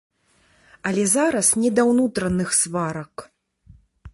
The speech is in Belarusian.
Але зараз не да ўнутраных сварак.